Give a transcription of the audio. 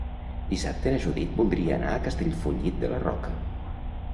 Dissabte na Judit voldria anar a Castellfollit de la Roca.